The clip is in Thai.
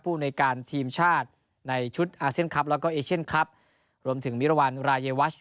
ผู้หน่วยการทีมชาติในชุดอเซนท์คลับแล้วก็เอเชนต์คลับรวมถึงมิรวรรณรายวรรดิหวัช